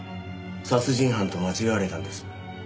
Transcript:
殺人犯と間違われたんです。